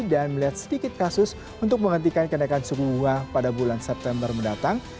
dan melihat sedikit kasus untuk menghentikan kenaikan suku bunga pada bulan september mendatang